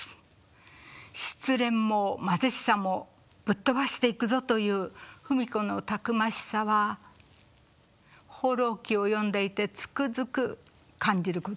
失恋も貧しさもぶっ飛ばしていくぞという芙美子のたくましさは「放浪記」を読んでいてつくづく感じることです。